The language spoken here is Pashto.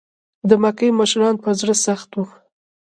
د مکې مشرکان په زړه سخت و.